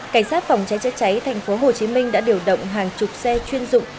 cảnh sát phòng cháy chữa cháy tp hcm đã điều động hàng chục xe chuyên dụng